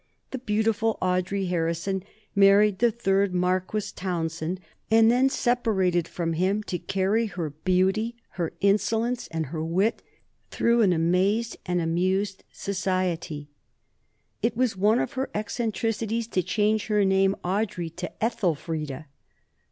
The beautiful Audrey Harrison married the third Marquis Townshend, bore him five children, and then separated from him to carry her beauty, her insolence, and her wit through an amazed and amused society. It was one of her eccentricities to change her name Audrey to Ethelfreda.